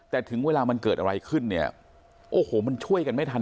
แต่ถึงเวลามันเกิดอะไรขึ้นเนี่ยโอ้โหมันช่วยกันไม่ทัน